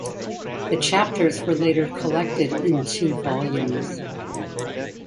The chapters were later collected in two volumes.